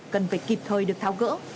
cần phải kịp thời được tháo gỡ